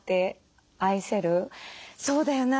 そうだよな